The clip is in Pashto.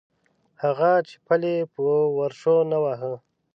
هغه چې پل یې په ورشو نه واهه.